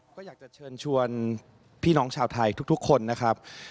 ก็อยากจะเชิญชวนพี่น้องชาวไทยทุกคนนะครับ